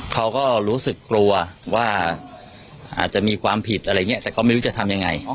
เขาก็รู้สึกกลัวว่าอาจจะมีความผิดอะไรอย่างนี้แต่เขาไม่รู้จะทำยังไง